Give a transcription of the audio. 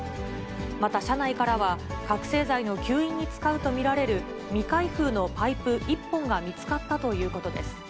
また車内からは、覚醒剤の吸引に使うと見られる未開封のパイプ１本が見つかったということです。